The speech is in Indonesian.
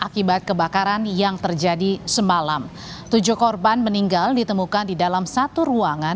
tujuh korban meninggal di jalan mampang